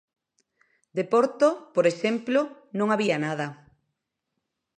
De Porto, por exemplo, non había nada.